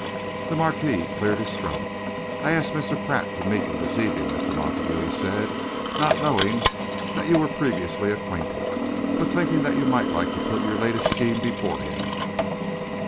The Marquis cleared his throat. "I asked Mr. Pratt to meet you this evening, Mr. Montague," he said, "not knowing that you were previously acquainted, but thinking that you might like to put your latest scheme before him."